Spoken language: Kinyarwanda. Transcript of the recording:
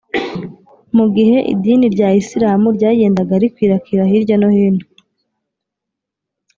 mu gihe idini rya isilamu ryagendaga rikwirakwira hirya no hino